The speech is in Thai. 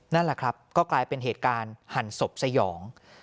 นั่นแหละครับก็กลายเป็นเหตุการณ์หั่นศพสยอง